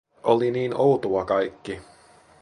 Oli niin outoa kaikki.